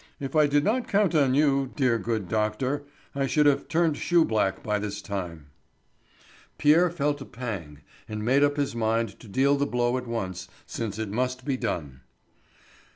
If I did not count on you, dear good doctor, I should have turned shoe black by this time." Pierre felt a pang, and made up his mind to deal the blow at once, since it must be done.